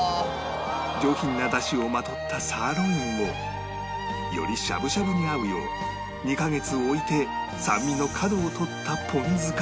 上品な出汁をまとったサーロインをよりしゃぶしゃぶに合うよう２カ月置いて酸味の角を取ったポン酢か